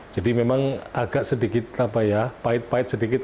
jadi memang agak sedikit pahit pahit sedikit